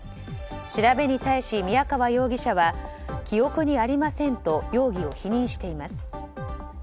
調べに対し、宮川容疑者は記憶にありませんと容疑を否認しています。